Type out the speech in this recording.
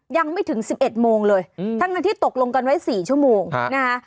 ยังไม่ถึง๑๑โมงเลยทั้งที่ตกลงกันไว้๔ชั่วโมงนะคะ